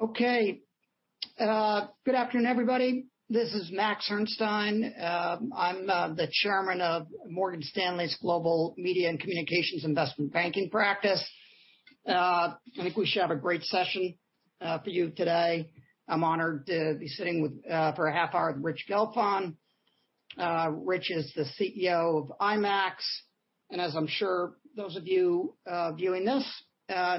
Okay. Good afternoon, everybody. This is Max Herrnstein. I'm the Chairman of Morgan Stanley's Global Media and Communications Investment Banking Practice. I think we should have a great session for you today. I'm honored to be sitting for a half hour with Rich Gelfond. Rich is the CEO of IMAX. And as I'm sure those of you viewing this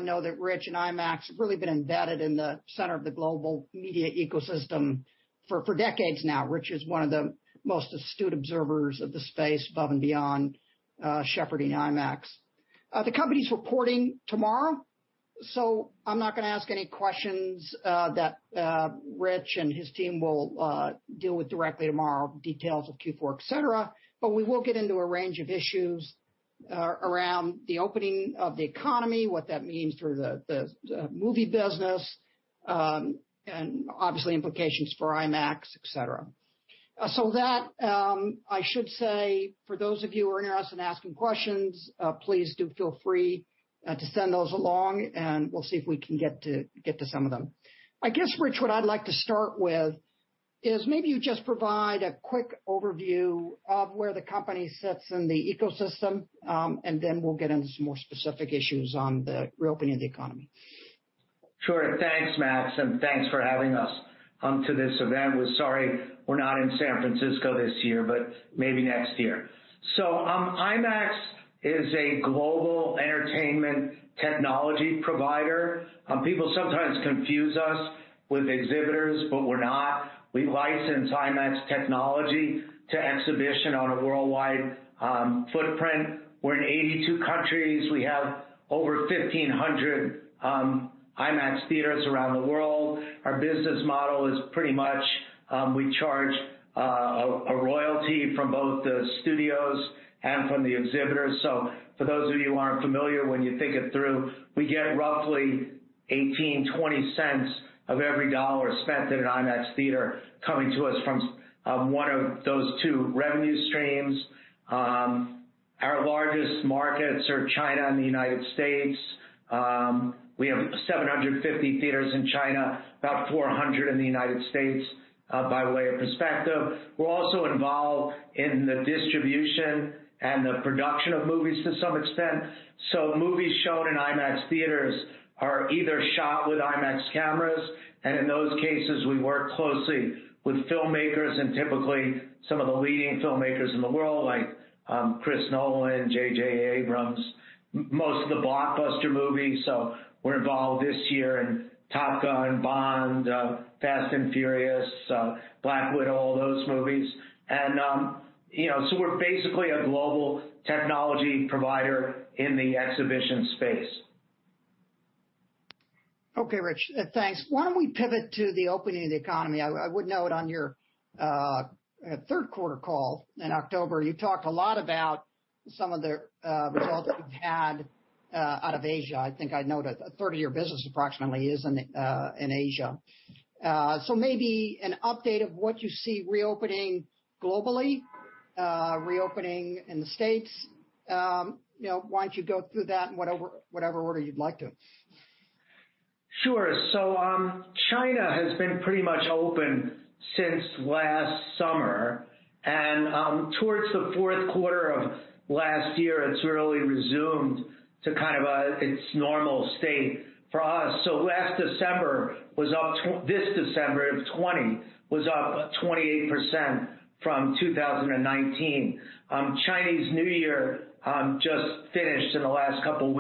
know, that Rich and IMAX have really been embedded in the center of the global media ecosystem for decades now. Rich is one of the most astute observers of the space, above and beyond shepherding IMAX. The company's reporting tomorrow. So I'm not going to ask any questions that Rich and his team will deal with directly tomorrow, details of Q4, etc. But we will get into a range of issues around the opening of the economy, what that means for the movie business, and obviously implications for IMAX, etc. So that, I should say, for those of you who are interested in asking questions, please do feel free to send those along, and we'll see if we can get to some of them. I guess, Rich, what I'd like to start with is maybe you just provide a quick overview of where the company sits in the ecosystem, and then we'll get into some more specific issues on the reopening of the economy. Sure. Thanks, Max, and thanks for having us come to this event. We're sorry we're not in San Francisco this year, but maybe next year. IMAX is a global entertainment technology provider. People sometimes confuse us with exhibitors, but we're not. We license IMAX technology to exhibitors on a worldwide footprint. We're in 82 countries. We have over 1,500 IMAX theaters around the world. Our business model is pretty much we charge a royalty from both the studios and from the exhibitors. So for those of you who aren't familiar, when you think it through, we get roughly $0.18-$0.20 of every $1 spent at an IMAX theater coming to us from one of those two revenue streams. Our largest markets are China and the United States. We have 750 theaters in China, about 400 in the United States, by way of perspective. We're also involved in the distribution and the production of movies to some extent, so movies shown in IMAX theaters are either shot with IMAX cameras, and in those cases, we work closely with filmmakers and typically some of the leading filmmakers in the world, like Chris Nolan, J.J. Abrams, most of the blockbuster movies, so we're involved this year in Top Gun, Bond, Fast and Furious, Black Widow, all those movies, and so we're basically a global technology provider in the exhibition space. Okay, Rich, thanks. Why don't we pivot to the opening of the economy? I would note on your third quarter call in October, you talked a lot about some of the results you've had out of Asia. I think I noted a third of your business approximately is in Asia. So maybe an update of what you see reopening globally, reopening in the States. Why don't you go through that in whatever order you'd like to? Sure. So China has been pretty much open since last summer. And towards the fourth quarter of last year, it's really resumed to kind of its normal state for us. So last December was up. This December of 2020 was up 28% from 2019. Chinese New Year just finished in the last couple of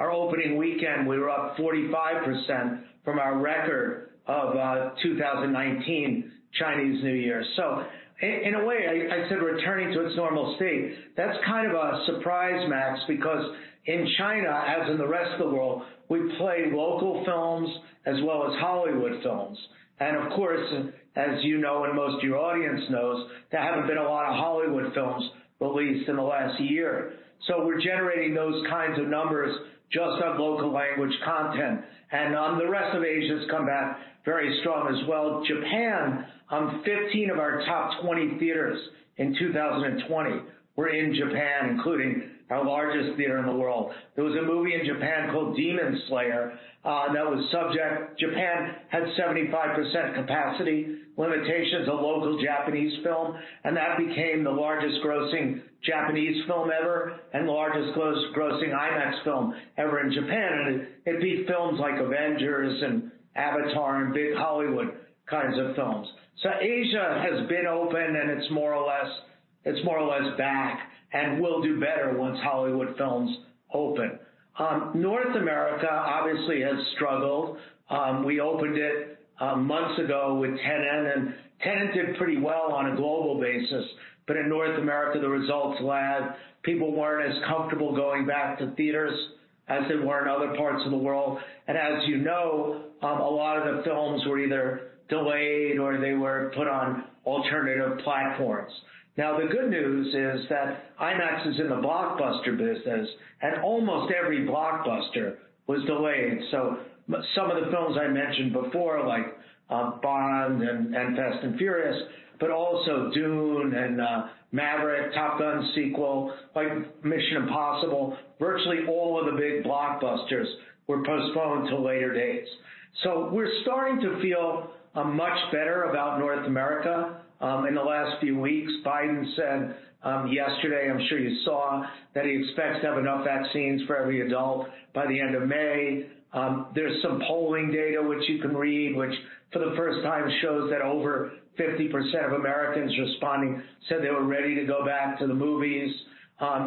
weeks. Our opening weekend, we were up 45% from our record of 2019 Chinese New Year. So in a way, I said we're returning to its normal state. That's kind of a surprise, Max, because in China, as in the rest of the world, we play local films as well as Hollywood films. And of course, as you know and most of your audience knows, there haven't been a lot of Hollywood films released in the last year. So we're generating those kinds of numbers just on local language content. The rest of Asia has come back very strong as well. Japan, 15 of our top 20 theaters in 2020 were in Japan, including our largest theater in the world. There was a movie in Japan called Demon Slayer that was subject to 75% capacity limitations of local Japanese film, and that became the largest grossing Japanese film ever and largest grossing IMAX film ever in Japan. It beat films like Avengers and Avatar and big Hollywood kinds of films. Asia has been open, and it's more or less back and will do better once Hollywood films open. North America obviously has struggled. We opened it months ago with Tenet, and Tenet did pretty well on a global basis. In North America, the results lagged. People weren't as comfortable going back to theaters as they were in other parts of the world. And as you know, a lot of the films were either delayed or they were put on alternative platforms. Now, the good news is that IMAX is in the blockbuster business, and almost every blockbuster was delayed. So some of the films I mentioned before, like Bond and Fast and Furious, but also Dune and Maverick, Top Gun sequel, like Mission Impossible, virtually all of the big blockbusters were postponed to later dates. So we're starting to feel much better about North America in the last few weeks. Biden said yesterday, I'm sure you saw, that he expects to have enough vaccines for every adult by the end of May. There's some polling data, which you can read, which for the first time shows that over 50% of Americans responding said they were ready to go back to the movies.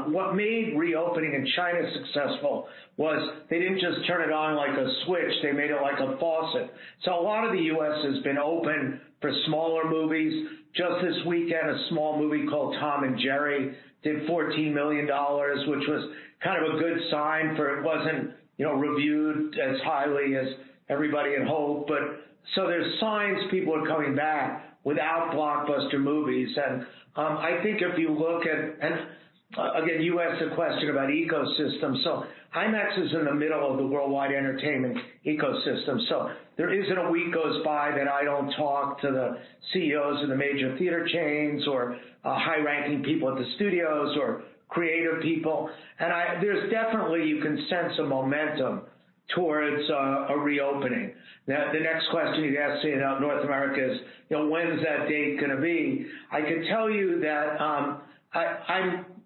What made reopening in China successful was they didn't just turn it on like a switch. They made it like a faucet. So a lot of the U.S. has been open for smaller movies. Just this weekend, a small movie called Tom and Jerry did $14 million, which was kind of a good sign but it wasn't reviewed as highly as everybody had hoped. But so there's signs people are coming back without blockbuster movies. And I think if you look at, and again, you asked a question about ecosystem. So IMAX is in the middle of the worldwide entertainment ecosystem. So there isn't a week goes by that I don't talk to the CEOs of the major theater chains or high-ranking people at the studios or creative people. And there's definitely, you can sense a momentum towards a reopening. The next question you'd ask me about North America is, when's that date going to be? I can tell you that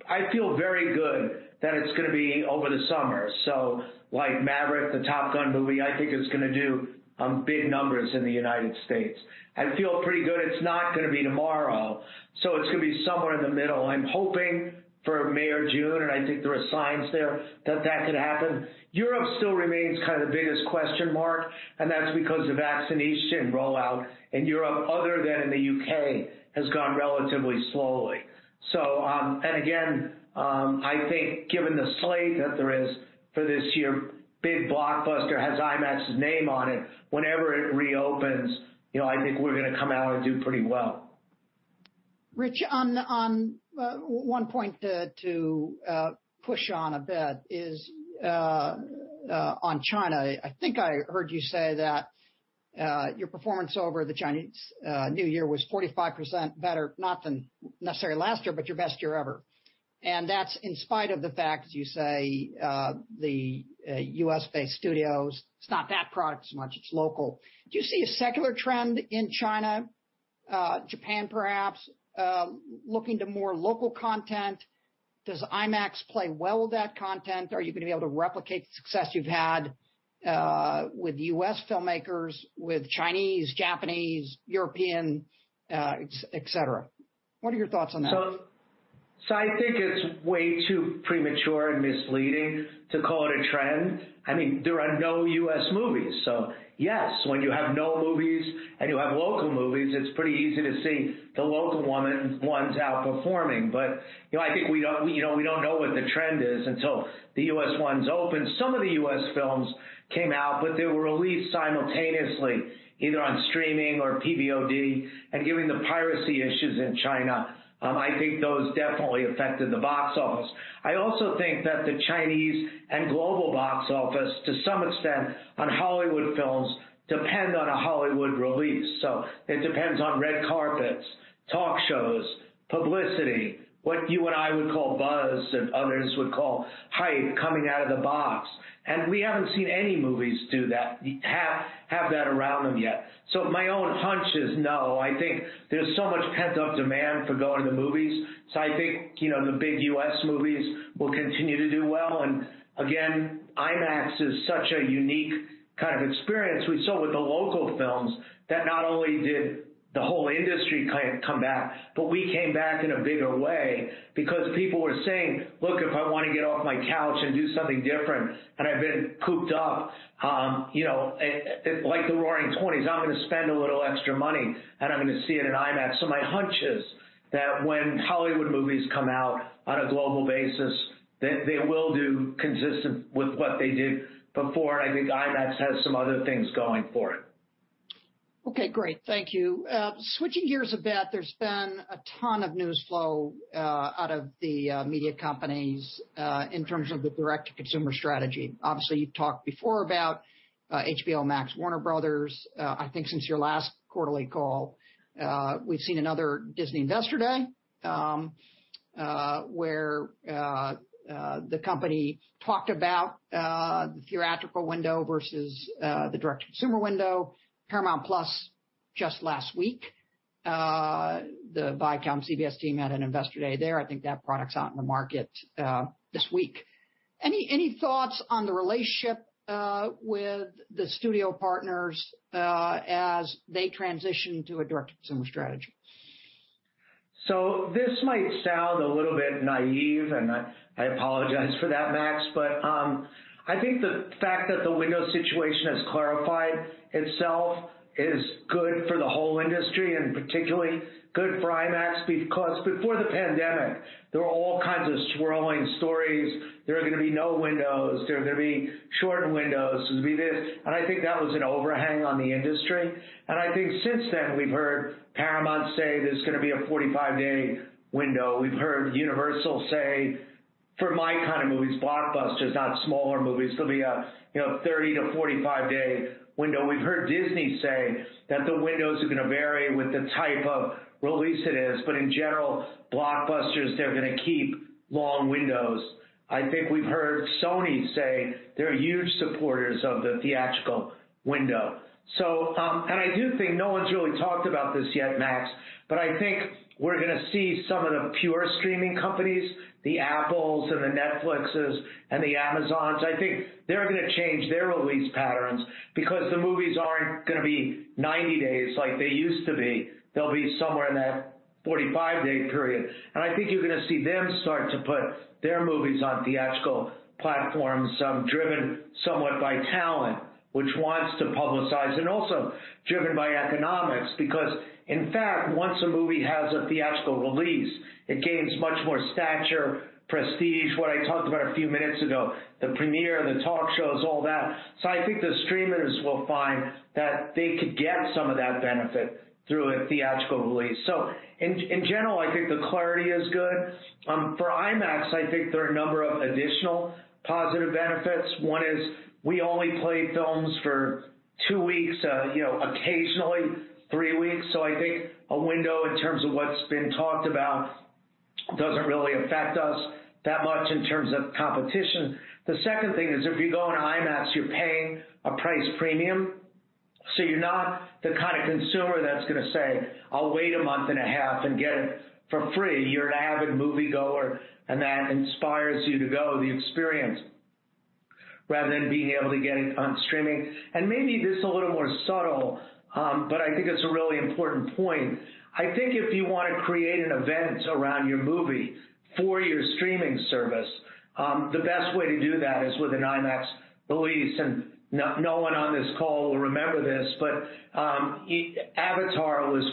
I feel very good that it's going to be over the summer. So like Maverick, the Top Gun movie, I think it's going to do big numbers in the United States. I feel pretty good. It's not going to be tomorrow. So it's going to be somewhere in the middle. I'm hoping for May or June, and I think there are signs there that that could happen. Europe still remains kind of the biggest question mark, and that's because the vaccination rollout in Europe, other than in the U.K., has gone relatively slowly. So, and again, I think given the slate that there is for this year, big blockbuster has IMAX's name on it. Whenever it reopens, I think we're going to come out and do pretty well. Rich, one point to push on a bit is on China. I think I heard you say that your performance over the Chinese New Year was 45% better, not than necessarily last year, but your best year ever. And that's in spite of the fact you say the U.S.-based studios, it's not that product as much, it's local. Do you see a secular trend in China, Japan perhaps, looking to more local content? Does IMAX play well with that content? Are you going to be able to replicate the success you've had with U.S. filmmakers, with Chinese, Japanese, European, etc.? What are your thoughts on that? So I think it's way too premature and misleading to call it a trend. I mean, there are no U.S. movies. So yes, when you have no movies and you have local movies, it's pretty easy to see the local ones outperforming. But I think we don't know what the trend is until the U.S. ones open. Some of the U.S. films came out, but they were released simultaneously, either on streaming or PVOD, and given the piracy issues in China, I think those definitely affected the box office. I also think that the Chinese and global box office, to some extent, on Hollywood films depend on a Hollywood release. So it depends on red carpets, talk shows, publicity, what you and I would call buzz and others would call hype coming out of the box. And we haven't seen any movies do that, have that around them yet. So my own hunch is no. I think there's so much pent-up demand for going to the movies. So I think the big U.S. movies will continue to do well. And again, IMAX is such a unique kind of experience. We saw with the local films that not only did the whole industry come back, but we came back in a bigger way because people were saying, "Look, if I want to get off my couch and do something different and I've been cooped up like the Roaring '20s, I'm going to spend a little extra money and I'm going to see it in IMAX." So my hunch is that when Hollywood movies come out on a global basis, they will do consistent with what they did before. And I think IMAX has some other things going for it. Okay, great. Thank you. Switching gears a bit, there's been a ton of news flow out of the media companies in terms of the direct-to-consumer strategy. Obviously, you've talked before about HBO Max, Warner Bros. I think since your last quarterly call, we've seen another Disney Investor Day where the company talked about the theatrical window versus the direct-to-consumer window, Paramount Plus just last week. The ViacomCBS team had an Investor Day there. I think that product's out in the market this week. Any thoughts on the relationship with the studio partners as they transition to a direct-to-consumer strategy? So this might sound a little bit naive, and I apologize for that, Max, but I think the fact that the window situation has clarified itself is good for the whole industry and particularly good for IMAX because before the pandemic, there were all kinds of swirling stories. There are going to be no windows. There are going to be short windows. There's going to be this. And I think that was an overhang on the industry. And I think since then, we've heard Paramount say there's going to be a 45-day window. We've heard Universal say, for my kind of movies, blockbusters, not smaller movies, there'll be a 30 to 45-day window. We've heard Disney say that the windows are going to vary with the type of release it is. But in general, blockbusters, they're going to keep long windows. I think we've heard Sony say they're huge supporters of the theatrical window. So, and I do think no one's really talked about this yet, Max, but I think we're going to see some of the pure streaming companies, the Apples and the Netflixes and the Amazons. I think they're going to change their release patterns because the movies aren't going to be 90 days like they used to be. They'll be somewhere in that 45-day period. And I think you're going to see them start to put their movies on theatrical platforms, driven somewhat by talent, which wants to publicize and also driven by economics. Because in fact, once a movie has a theatrical release, it gains much more stature, prestige, what I talked about a few minutes ago, the premiere, the talk shows, all that. So I think the streamers will find that they could get some of that benefit through a theatrical release. So in general, I think the clarity is good. For IMAX, I think there are a number of additional positive benefits. One is we only play films for two weeks, occasionally three weeks. So I think a window in terms of what's been talked about doesn't really affect us that much in terms of competition. The second thing is if you go on IMAX, you're paying a price premium. So you're not the kind of consumer that's going to say, "I'll wait a month and a half and get it for free." You're an avid moviegoer, and that inspires you to go to the experience rather than being able to get it on streaming. And maybe this is a little more subtle, but I think it's a really important point. I think if you want to create an event around your movie for your streaming service, the best way to do that is with an IMAX release. And no one on this call will remember this, but Avatar was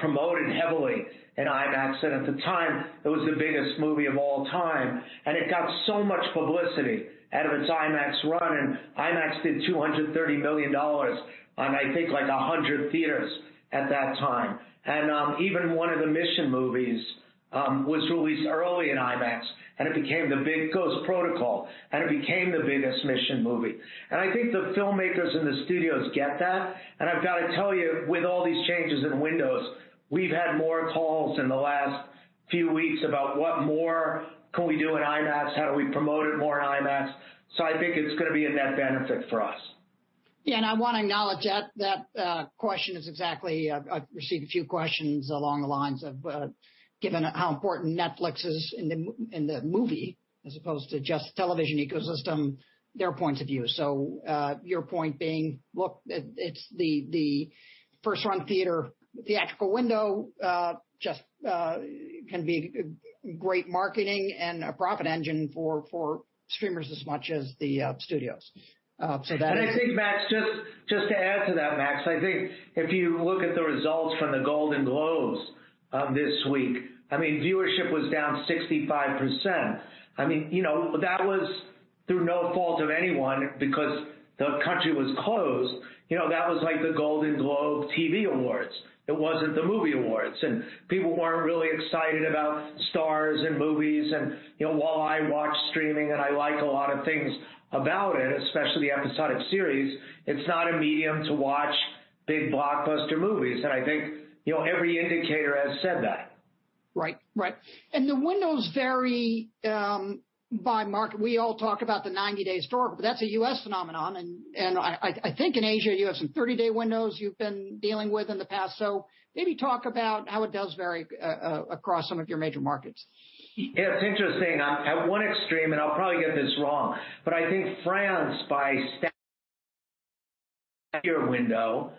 promoted heavily in IMAX. And at the time, it was the biggest movie of all time. And it got so much publicity out of its IMAX run. And IMAX did $230 million on, I think, like 100 theaters at that time. And even one of the Mission movies was released early in IMAX, and it became the big Ghost Protocol, and it became the biggest Mission movie. And I think the filmmakers and the studios get that. And I've got to tell you, with all these changes in windows, we've had more calls in the last few weeks about what more can we do in IMAX? How do we promote it more in IMAX? So I think it's going to be a net benefit for us. Yeah, and I want to acknowledge that question is exactly. I've received a few questions along the lines of, given how important Netflix is in the movie as opposed to just television ecosystem, their points of view. So your point being, look, it's the first-run theatrical window just can be great marketing and a profit engine for streamers as much as the studios. So that. I think, Max, just to add to that, Max, I think if you look at the results from the Golden Globes this week, I mean, viewership was down 65%. I mean, that was through no fault of anyone because the country was closed. That was like the Golden Globe TV Awards. It wasn't the movie awards. And people weren't really excited about stars and movies. And while I watch streaming and I like a lot of things about it, especially the episodic series, it's not a medium to watch big blockbuster movies. And I think every indicator has said that. Right, right. And the windows vary by market. We all talk about the 90-day story, but that's a U.S. phenomenon. And I think in Asia, you have some 30-day windows you've been dealing with in the past. So maybe talk about how it does vary across some of your major markets. Yeah, it's interesting. At one extreme, and I'll probably get this wrong, but I think France, the window,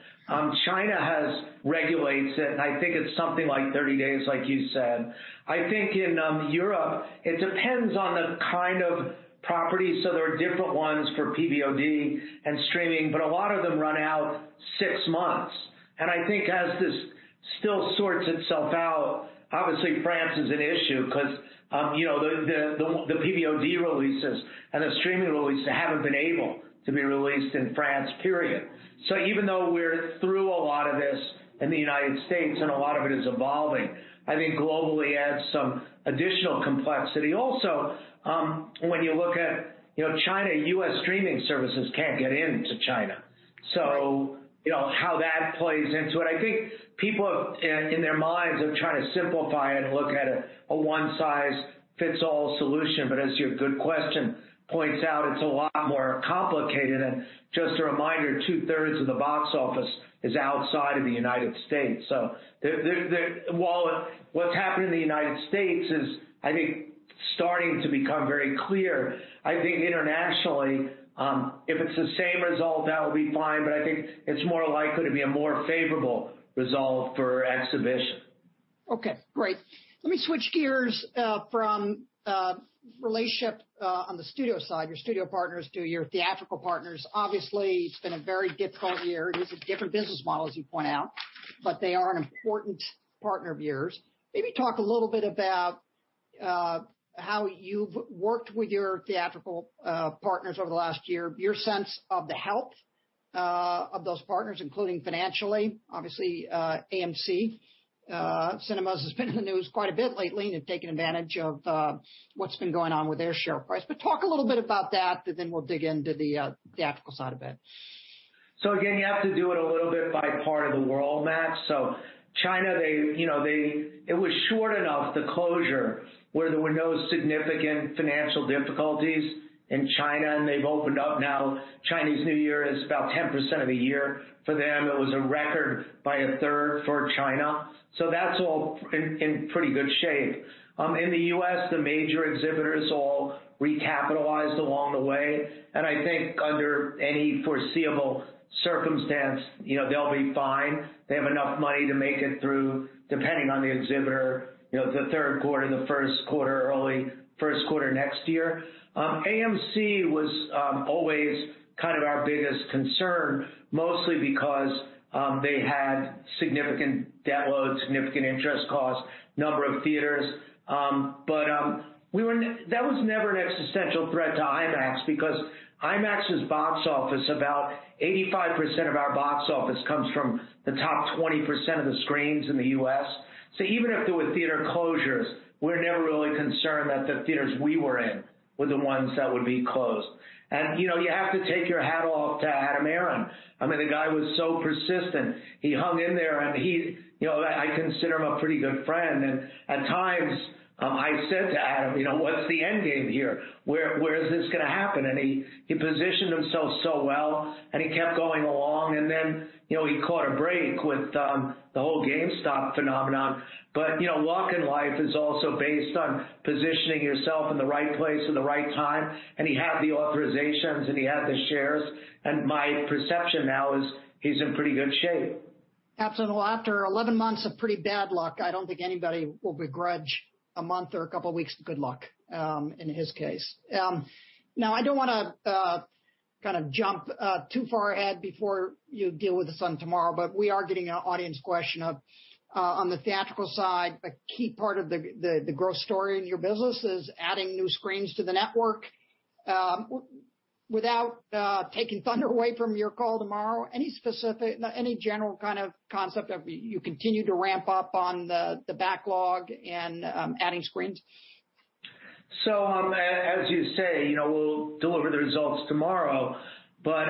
China regulates it. And I think it's something like 30 days, like you said. I think in Europe, it depends on the kind of property. So there are different ones for PVOD and streaming, but a lot of them run out six months. And I think as this still sorts itself out, obviously France is an issue because the PVOD releases and the streaming releases haven't been able to be released in France, period. So even though we're through a lot of this in the United States and a lot of it is evolving, I think globally adds some additional complexity. Also, when you look at China, U.S. streaming services can't get into China. So how that plays into it, I think people in their minds are trying to simplify it and look at a one-size-fits-all solution. But as your good question points out, it's a lot more complicated. And just a reminder, two-thirds of the box office is outside of the United States. So while what's happened in the United States is, I think, starting to become very clear, I think internationally, if it's the same result, that will be fine. But I think it's more likely to be a more favorable result for exhibition. Okay, great. Let me switch gears from relationship on the studio side, your studio partners to your theatrical partners. Obviously, it's been a very difficult year. It is a different business model, as you point out, but they are an important partner of yours. Maybe talk a little bit about how you've worked with your theatrical partners over the last year, your sense of the health of those partners, including financially. Obviously AMC Cinemas has been in the news quite a bit lately and taken advantage of what's been going on with their share price. But talk a little bit about that, then we'll dig into the theatrical side of it. So again, you have to do it a little bit by part of the world, Max. So China, it was short enough, the closure, where there were no significant financial difficulties in China, and they've opened up now. Chinese New Year is about 10% of the year for them. It was a record by a third for China. So that's all in pretty good shape. In the U.S., the major exhibitors all recapitalized along the way. And I think under any foreseeable circumstance, they'll be fine. They have enough money to make it through, depending on the exhibitor, the third quarter, the first quarter, early first quarter next year. AMC was always kind of our biggest concern, mostly because they had significant debt load, significant interest costs, number of theaters. But that was never an existential threat to IMAX because IMAX's box office, about 85% of our box office comes from the top 20% of the screens in the U.S. So even if there were theater closures, we're never really concerned that the theaters we were in were the ones that would be closed. And you have to take your hat off to Adam Aron. I mean, the guy was so persistent. He hung in there. And I consider him a pretty good friend. And at times, I said to Adam, "What's the end game here? Where is this going to happen?" And he positioned himself so well and he kept going along. And then he caught a break with the whole GameStop phenomenon. But real life is also based on positioning yourself in the right place at the right time. He had the authorizations and he had the shares. My perception now is he's in pretty good shape. Absolutely. Well, after 11 months of pretty bad luck, I don't think anybody will begrudge a month or a couple of weeks of good luck in his case. Now, I don't want to kind of jump too far ahead before you deal with this on tomorrow, but we are getting an audience question up. On the theatrical side, a key part of the growth story in your business is adding new screens to the network. Without taking thunder away from your call tomorrow, any general kind of concept of you continue to ramp up on the backlog and adding screens? So as you say, we'll deliver the results tomorrow. But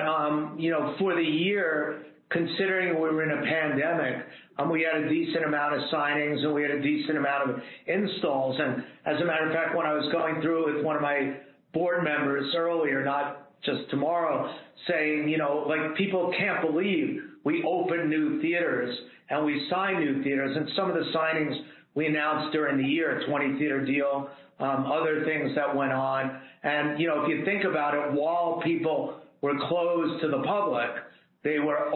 for the year, considering we were in a pandemic, we had a decent amount of signings and we had a decent amount of installs. And as a matter of fact, when I was going through with one of my board members earlier, not just tomorrow, saying, "People can't believe we opened new theaters and we signed new theaters." And some of the signings we announced during the year, 20-theater deal, other things that went on. And if you think about it, while people were closed to the public, they were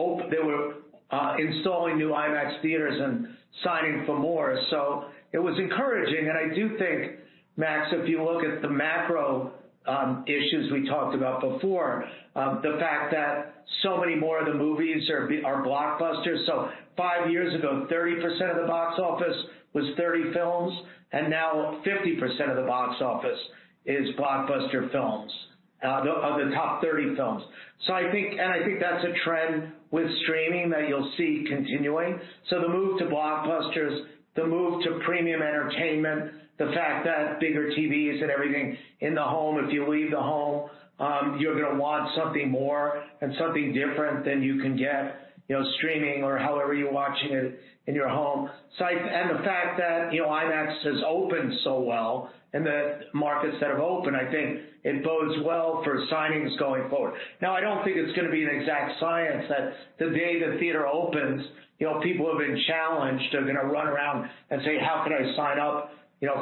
installing new IMAX theaters and signing for more. So it was encouraging. And I do think, Max, if you look at the macro issues we talked about before, the fact that so many more of the movies are blockbusters. Five years ago, 30% of the box office was 30 films. Now 50% of the box office is blockbuster films, the top 30 films. I think that's a trend with streaming that you'll see continuing. The move to blockbusters, the move to premium entertainment, the fact that bigger TVs and everything in the home, if you leave the home, you're going to want something more and something different than you can get streaming or however you're watching it in your home. The fact that IMAX has opened so well and the markets that have opened, I think it bodes well for signings going forward. Now, I don't think it's going to be an exact science that the day the theater opens, people have been challenged. They're going to run around and say, "How can I sign up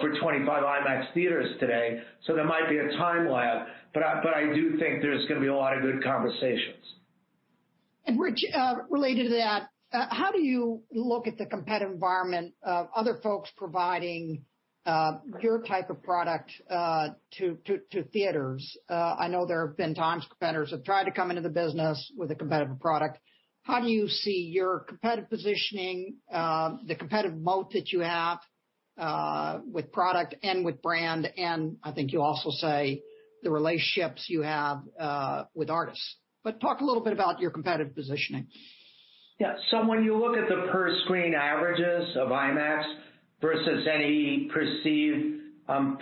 for 25 IMAX theaters today?" So there might be a time lag, but I do think there's going to be a lot of good conversations. Rich, related to that, how do you look at the competitive environment of other folks providing your type of product to theaters? I know there have been times competitors have tried to come into the business with a competitive product. How do you see your competitive positioning, the competitive moat that you have with product and with brand? I think you also say the relationships you have with artists. But talk a little bit about your competitive positioning. Yeah. So when you look at the per-screen averages of IMAX versus any perceived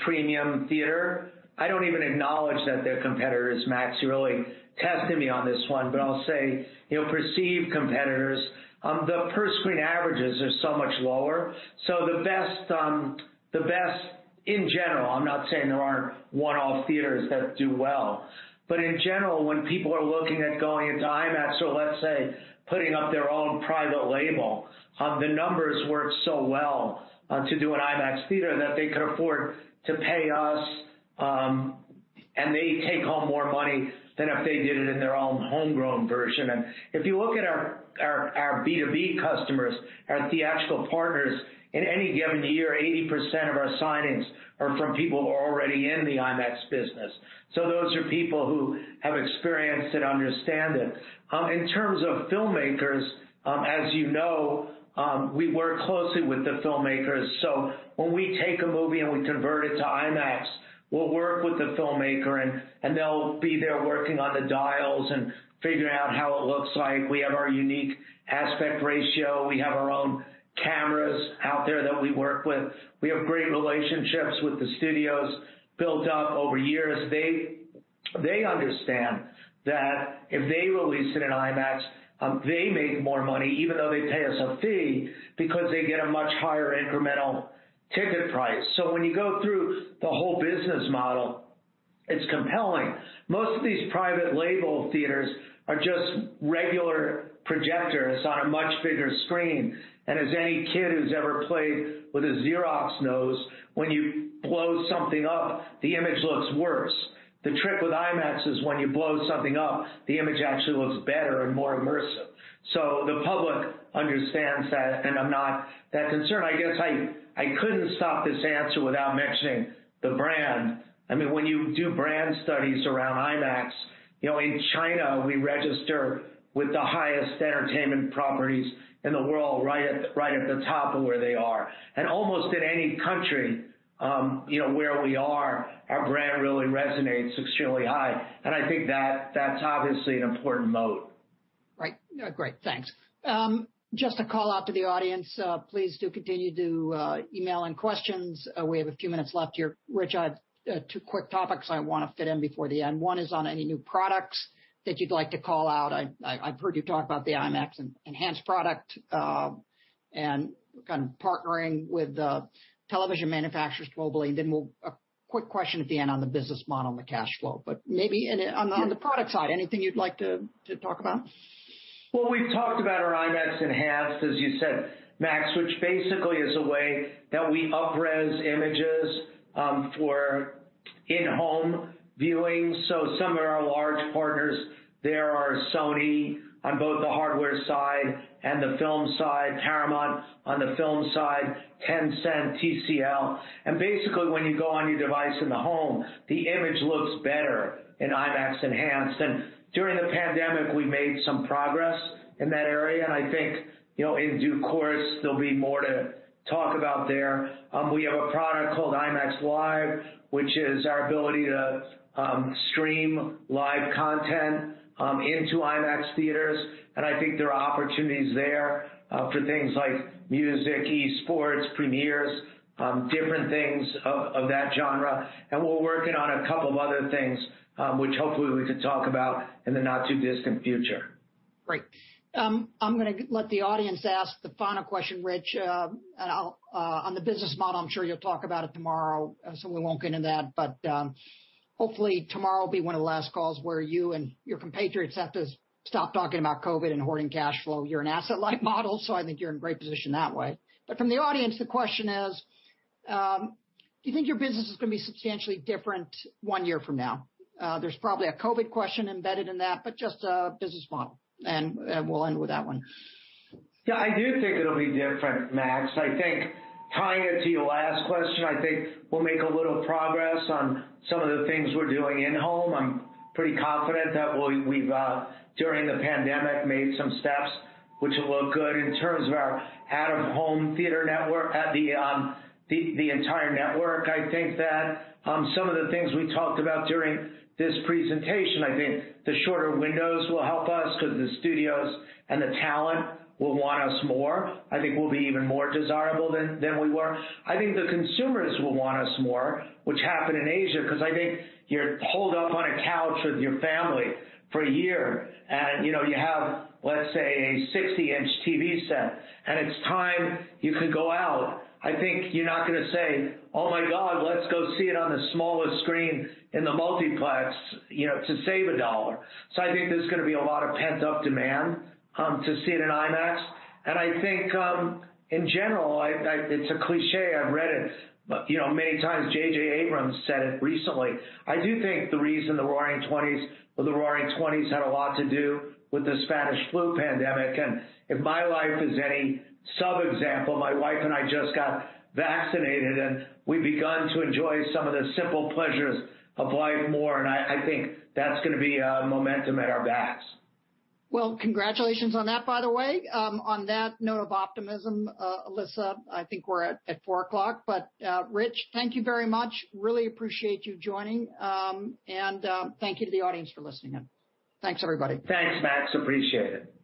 premium theater, I don't even acknowledge that they're competitors, Max. You're really testing me on this one, but I'll say perceived competitors. The per-screen averages are so much lower. So the best in general, I'm not saying there aren't one-off theaters that do well. But in general, when people are looking at going into IMAX, or let's say putting up their own private label, the numbers work so well to do an IMAX theater that they could afford to pay us, and they take home more money than if they did it in their own homegrown version. And if you look at our B2B customers, our theatrical partners, in any given year, 80% of our signings are from people already in the IMAX business. So those are people who have experienced it, understand it. In terms of filmmakers, as you know, we work closely with the filmmakers. So when we take a movie and we convert it to IMAX, we'll work with the filmmaker, and they'll be there working on the dials and figuring out how it looks like. We have our unique aspect ratio. We have our own cameras out there that we work with. We have great relationships with the studios built up over years. They understand that if they release it in IMAX, they make more money, even though they pay us a fee because they get a much higher incremental ticket price. So when you go through the whole business model, it's compelling. Most of these private label theaters are just regular projectors on a much bigger screen, and as any kid who's ever played with a Xerox knows, when you blow something up, the image looks worse. The trick with IMAX is when you blow something up, the image actually looks better and more immersive. So the public understands that, and I'm not that concerned. I guess I couldn't stop this answer without mentioning the brand. I mean, when you do brand studies around IMAX, in China, we register with the highest entertainment properties in the world, right at the top of where they are. And almost in any country where we are, our brand really resonates extremely high. And I think that that's obviously an important moat. Right. Great. Thanks. Just a call out to the audience. Please do continue to email in questions. We have a few minutes left here. Rich, I have two quick topics I want to fit in before the end. One is on any new products that you'd like to call out. I've heard you talk about the IMAX Enhanced product and kind of partnering with television manufacturers globally. And then we'll have a quick question at the end on the business model and the cash flow. But maybe on the product side, anything you'd like to talk about? We've talked about our IMAX Enhanced, as you said, Max, which basically is a way that we up-res images for in-home viewing. Some of our large partners, there are Sony on both the hardware side and the film side, Paramount on the film side, Tencent, TCL. Basically, when you go on your device in the home, the image looks better in IMAX Enhanced. During the pandemic, we made some progress in that area. I think in due course, there'll be more to talk about there. We have a product called IMAX Live, which is our ability to stream live content into IMAX theaters. I think there are opportunities there for things like music, esports, premieres, different things of that genre. We're working on a couple of other things, which hopefully we can talk about in the not too distant future. Great. I'm going to let the audience ask the final question, Rich. And on the business model, I'm sure you'll talk about it tomorrow, so we won't get into that. But hopefully, tomorrow will be one of the last calls where you and your compatriots have to stop talking about COVID and hoarding cash flow. You're an asset-like model, so I think you're in great position that way. But from the audience, the question is, do you think your business is going to be substantially different one year from now? There's probably a COVID question embedded in that, but just a business model. And we'll end with that one. Yeah, I do think it'll be different, Max. I think tying it to your last question, I think we'll make a little progress on some of the things we're doing in home. I'm pretty confident that we've, during the pandemic, made some steps, which will look good in terms of our out-of-home theater network, the entire network. I think that some of the things we talked about during this presentation, I think the shorter windows will help us because the studios and the talent will want us more. I think we'll be even more desirable than we were. I think the consumers will want us more, which happened in Asia because I think you're holed up on a couch with your family for a year. And you have, let's say, a 60-inch TV set, and it's time you could go out. I think you're not going to say, "Oh my God, let's go see it on the smallest screen in the multiplex to save a dollar," so I think there's going to be a lot of pent-up demand to see it in IMAX, and I think in general, it's a cliché. I've read it many times. J.J. Abrams said it recently. I do think the reason the Roaring '20s had a lot to do with the Spanish flu pandemic, and if my life is any such an example, my wife and I just got vaccinated, and we've begun to enjoy some of the simple pleasures of life more, and I think that's going to be a momentum at our backs. Congratulations on that, by the way. On that note of optimism, Alyssa, I think we're at 4:00 P.M. Rich, thank you very much. I really appreciate you joining. Thank you to the audience for listening in. Thanks, everybody. Thanks, Max. Appreciate it.